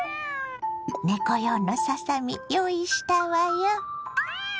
猫用のささみ用意したわよ。